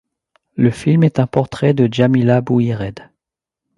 Le film est un portrait de Djamila Bouhired.